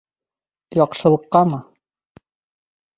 Яҡшылыҡҡамы?